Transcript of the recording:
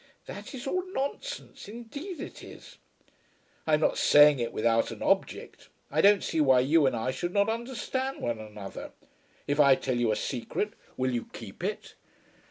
"That is all nonsense. Indeed it is." "I am not saying it without an object. I don't see why you and I should not understand one another. If I tell you a secret will you keep it?"